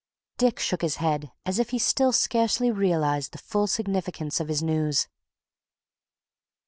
Dick shook his head as if he still scarcely realized the full significance of his news.